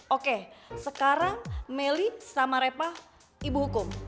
oke sekarang meli sama reva ibu hukum